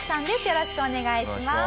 よろしくお願いします。